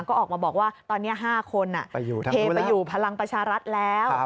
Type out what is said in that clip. ก็ออกมาบอกว่าตอนนี้๕คนเทไปอยู่พลังประชารัฐแล้ว